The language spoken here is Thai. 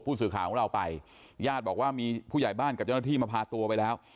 ผู้สื่อข่าวของเราไปญาติบอกว่ามีผู้ใหญ่บ้านกับเจ้าหน้าที่มาพาตัวไปแล้ว